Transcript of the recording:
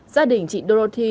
gia đình chị dorothy